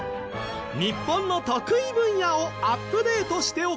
日本の得意分野をアップデートしておこう！